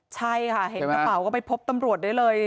ใช่ค่ะเห็นกระเป๋าก็ไปพบตำรวจได้เลย